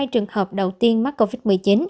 hai trường hợp đầu tiên mắc covid một mươi chín